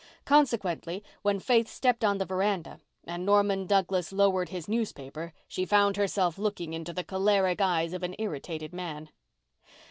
Consequently, when Faith stepped on the veranda and Norman Douglas lowered his newspaper she found herself looking into the choleric eyes of an irritated man.